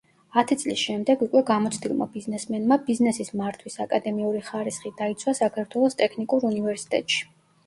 ათი წლის შემდეგ, უკვე გამოცდილმა ბიზნესმენმა, ბიზნესის მართვის აკადემიური ხარისხი დაიცვა საქართველოს ტექნიკურ უნივერსიტეტში.